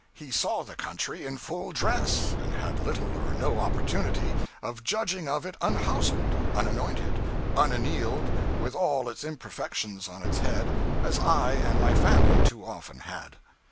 He saw the country in full dress, and had little or no opportunity of judging of it unhouselled, unanointed, unannealed, with all its imperfections on its head, as I and my family too often had.